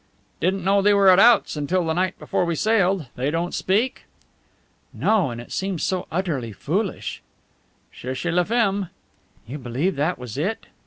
"Didn't know they were at outs until the night before we sailed. They don't speak?" "No. And it seems so utterly foolish!" "Cherchez la femme!" "You believe that was it?"